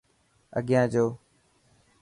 اگيان جو.